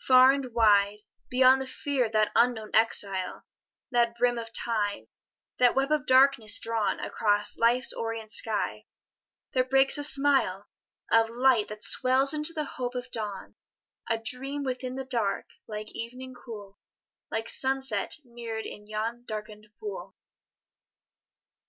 Far and wide, Beyond the fear of that unknown exile, That brim of Time, that web of darkness drawn Across Life's orient sky, there breaks a smile Of light that swells into the hope of dawn : A dream within the dark, like evening cool, Like sunset mirror'd in yon darken'd pool.